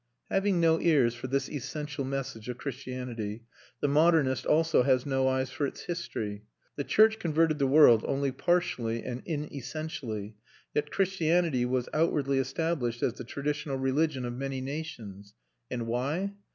Having no ears for this essential message of Christianity, the modernist also has no eyes for its history. The church converted the world only partially and inessentially; yet Christianity was outwardly established as the traditional religion of many nations. And why?